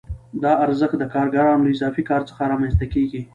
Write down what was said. دا ارزښت د کارګرانو له اضافي کار څخه رامنځته کېږي